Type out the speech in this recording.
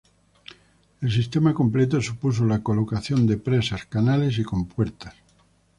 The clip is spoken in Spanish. El sistema completo supuso la colocación de presas, canales y compuertas.